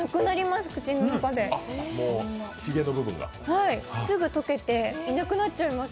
すぐ溶けて、いなくなっちゃいます